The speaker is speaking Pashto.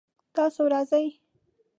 تاسو راځئ؟